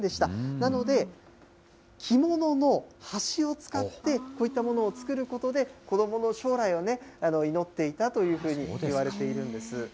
なので、着物の端を使ってこういったものを作ることで、子どもの将来を祈っていたというふうにいわれているんです。